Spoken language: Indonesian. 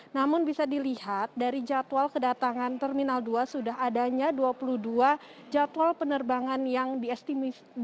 namun bisa dilihat dari jadwal kedatangan terminal dua sudah adanya dua puluh dua jadwal penerbangan yang diestimasikan